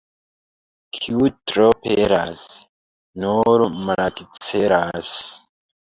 Kiu tro pelas, nur malakcelas.